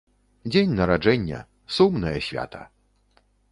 Дзень нараджэння, сумнае свята!